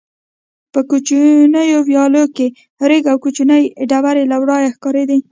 په کوچنیو ویالو کې رېګ او کوچنۍ ډبرې له ورایه ښکارېدې.